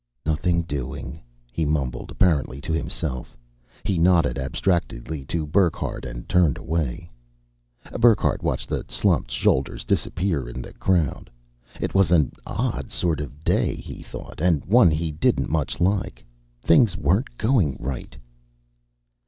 "Nothing doing," he mumbled, apparently to himself. He nodded abstractedly to Burckhardt and turned away. Burckhardt watched the slumped shoulders disappear in the crowd. It was an odd sort of day, he thought, and one he didn't much like. Things weren't going right.